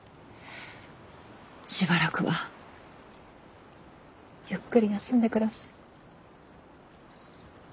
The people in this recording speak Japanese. しばらくはゆっくり休んで下さい。